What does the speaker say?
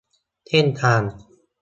เส้นทาง